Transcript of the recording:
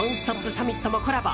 サミットもコラボ。